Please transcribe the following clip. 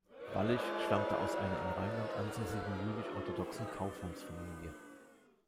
Wallich stammte aus einer im Rheinland ansässigen, jüdisch-orthodoxen Kaufmannsfamilie.